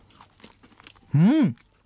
うん！